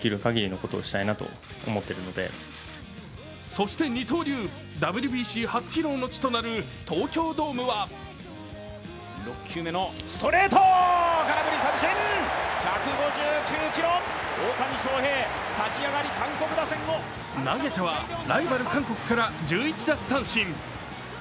そして二刀流、ＷＢＣ初披露の地となる東京ドームは投げてはライバル・韓国から１１奪三振。